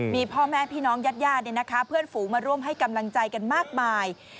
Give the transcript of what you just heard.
มีพ่อแม่พี่น้องญาติญาติเพื่อนฝูงมาร่วมให้กำลังใจกันมากมาย